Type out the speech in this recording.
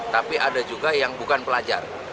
tapi ada juga yang bukan pelajar